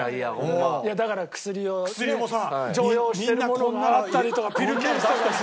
だから薬をね常用してるものがあったりとかピルケースとかさ。